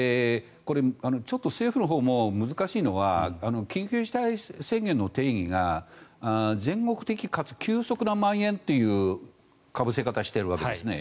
ちょっと政府のほうも難しいのは緊急事態宣言の定義が全国的かつ急速なまん延というかぶせ方をしているわけですね。